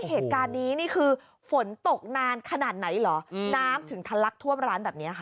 เหตุการณ์นี้นี่คือฝนตกนานขนาดไหนเหรอน้ำถึงทะลักท่วมร้านแบบนี้ค่ะ